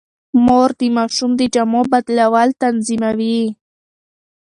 مور د ماشوم د جامو بدلول تنظيموي.